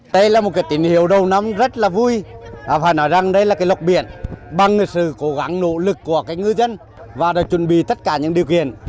đây là một tín hiệu đầu năm rất là vui phải nói rằng đây là cái lọc biển bằng sự cố gắng nỗ lực của ngư dân và đã chuẩn bị tất cả những điều kiện